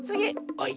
はい。